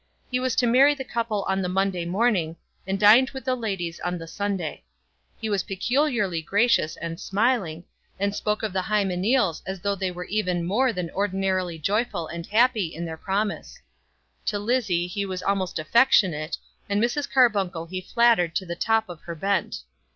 He was to marry the couple on the Monday morning, and dined with the ladies on the Sunday. He was peculiarly gracious and smiling, and spoke of the Hymeneals as though they were even more than ordinarily joyful and happy in their promise. To Lizzie he was almost affectionate, and Mrs. Carbuncle he flattered to the top of her bent.